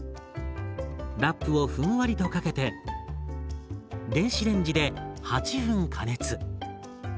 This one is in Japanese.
ラップをふんわりとかけて電子レンジで８分加熱。